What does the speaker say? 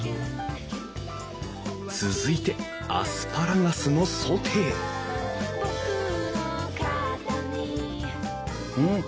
続いてアスパラガスのソテーうん！